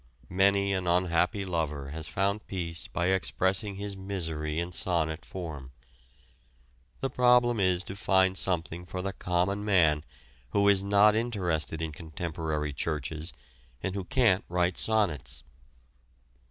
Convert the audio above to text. Many an unhappy lover has found peace by expressing his misery in sonnet form. The problem is to find something for the common man who is not interested in contemporary churches and who can't write sonnets.